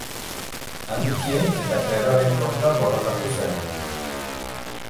Handikien eta kleroaren kontra borrokatu zen.